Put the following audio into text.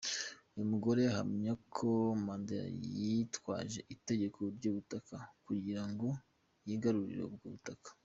Uyu mugore ahamya ko Mandela yitwaje itegeko ry’ubutaka kugira ngo yigarurire ubwo butaka.